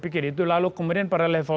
pikir itu lalu kemudian pada level